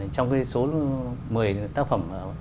trong số một mươi tác phẩm